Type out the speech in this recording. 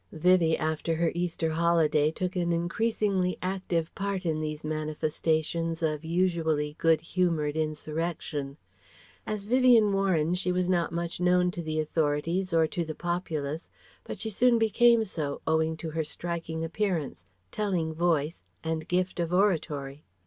Vivie after her Easter holiday took an increasingly active part in these manifestations of usually good humoured insurrection. As Vivien Warren she was not much known to the authorities or to the populace but she soon became so owing to her striking appearance, telling voice and gift of oratory.